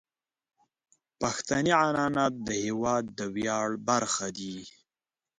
پښتني عنعنات د هیواد د ویاړ برخه دي.